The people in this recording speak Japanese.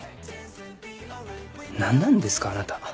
何なんですかあなた。